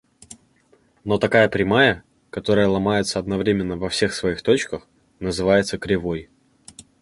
Но такая прямая, которая ломается одновременно во всех своих точках, называется кривой.